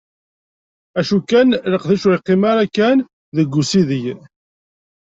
Acu kan, leqdic ur yeqqim ara kan deg usideg.